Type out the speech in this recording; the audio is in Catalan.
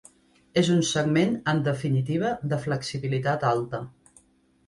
És un segment, en definitiva, de flexibilitat alta.